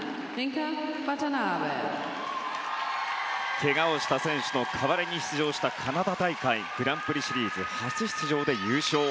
けがをした選手の代わりに出場したカナダ大会グランプリシリーズ初出場で優勝。